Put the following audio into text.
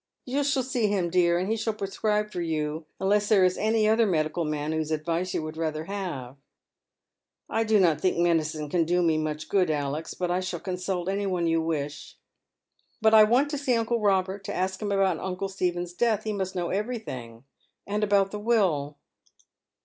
*' You shall see him, dear, and he shall prescribe for you, unless there is any other medical man whose advice you would rather have." *' I do not t::iL'k atedicine can do me much good, Alex ; but I shall conduit any one you wish. But I want to see uncle Robert — to askiiim about uncle Stephen's death — he must know every thing ; and about the will."